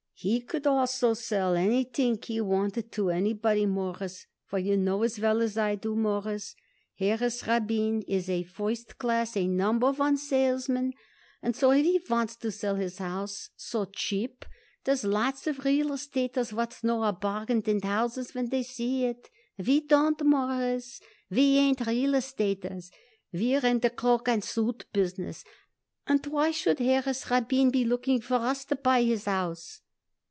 He could also sell anything he wanted to anybody, Mawruss, for you know as well as I do, Mawruss, Harris Rabin is a first class, A number one salesman. And so, if he wants to sell his house so cheap there's lots of real estaters what know a bargain in houses when they see it. We don't, Mawruss. We ain't real estaters. We're in the cloak and suit business, and why should Harris Rabin be looking for us to buy his house?"